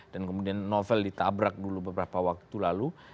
dan kemudian novel ditabrak dulu beberapa waktu lalu